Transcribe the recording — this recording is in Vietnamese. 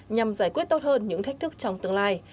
nhằm giải quyết tốt hơn những thách thức trong tương lai